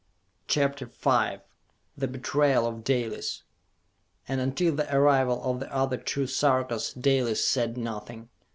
CHAPTER V The Betrayal of Dalis And until the arrival of the other two Sarkas, Dalis said nothing.